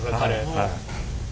はい。